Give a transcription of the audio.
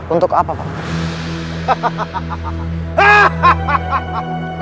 untuk apa paman